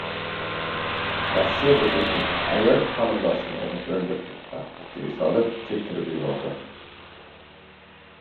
Rossiyada erkak ayol xonadoshini urib o‘ldirdi va qutiga solib, cho‘ktirib yubordi